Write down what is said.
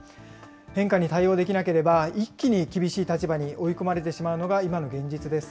変化に対応できなければ、一気に厳しい立場に追い込まれてしまうのが今の現実です。